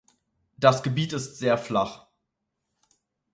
Das Gebiet ist sehr flach.